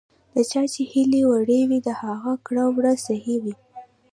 د چا چې هیلې وړې وي، د هغه کړه ـ وړه صحیح وي .